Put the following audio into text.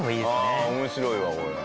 ああ面白いわこれ。